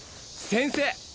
先生！